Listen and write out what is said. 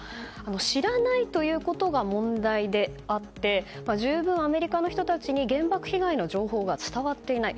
知らないということが問題であって十分アメリカの人たちに原爆被害の情報が伝わっていない。